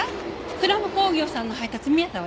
鞍馬工業さんの配達みえたわよ。